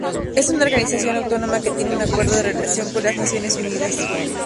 Es una organización autónoma que tiene un acuerdo de relación con las Naciones Unidas.